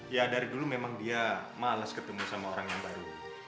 ya dari dulu memang dia males ketemu sama orang yang baru